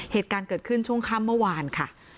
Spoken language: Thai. เหตุการณ์เกิดขึ้นช่วงค่ำเมื่อวานค่ะ